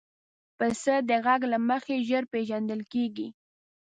پسه د غږ له مخې ژر پېژندل کېږي.